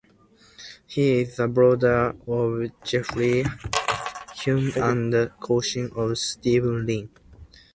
He is the brother of Jeffrey Huang and cousin of Steven Lin.